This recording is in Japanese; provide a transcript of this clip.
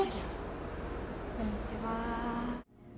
こんにちは。